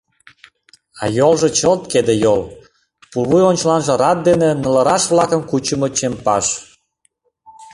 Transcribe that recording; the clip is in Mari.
А йолжо чылт кеде йол, пулвуй ончыланже рат дене ныллыраш-влакым кучымо чемпаш.